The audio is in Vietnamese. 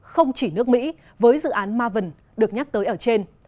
không chỉ nước mỹ với dự án maven được nhắc tới ở trên